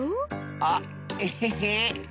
あっエヘヘ。